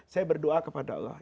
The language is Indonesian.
saya berdoa kepada allah